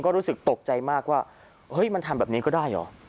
ก็รู้สึกตกใจมากว่าเฮ้ยมันทำแบบนี้ก็ได้เหรอ